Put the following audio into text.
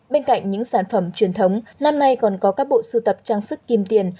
bên cạnh những sản phẩm truyền thống năm nay còn có các bộ sưu tập trang sức kim tiền